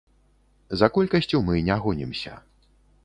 За колькасцю мы не гонімся.